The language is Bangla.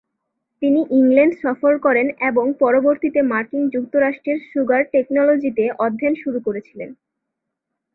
তিনি ইংল্যান্ড সফর করেন এবং পরবর্তীতে মার্কিন যুক্তরাষ্ট্রের সুগার টেকনোলজিতে অধ্যয়ন শুরু করেছিলেন।